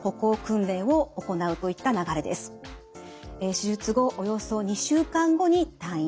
手術後およそ２週間後に退院。